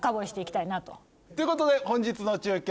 ということで本日の中継